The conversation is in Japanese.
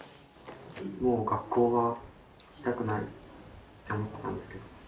もう学校は行きたくないって思ってたんですけど。